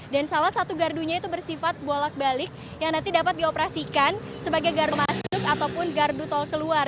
dan salah satu gardunya itu bersifat bolak balik yang nanti dapat dioperasikan sebagai gardu masuk ataupun gardu tol keluar